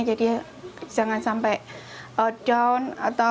jadi jangan sampai down